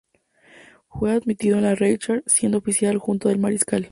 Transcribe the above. Fue admitido en la Reichswehr, siendo oficial adjunto del mariscal Franz Ritter von Epp.